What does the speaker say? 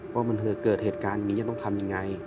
ว่ามันเกิดเหตุการณ์อย่างนี้จะต้องทำยังไง